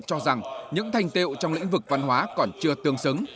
cho rằng những thành tiệu trong lĩnh vực văn hóa còn chưa tương xứng